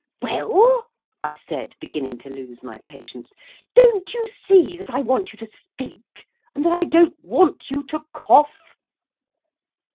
"Well!" I said, beginning to lose my patience. "Don't you see that I want you to speak, and that I don't want you to cough?"